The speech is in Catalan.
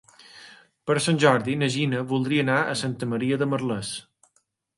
Per Sant Jordi na Gina voldria anar a Santa Maria de Merlès.